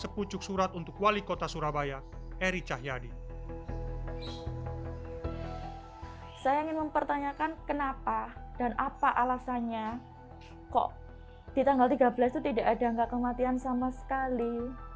kok di tanggal tiga belas itu tidak ada kematian sama sekali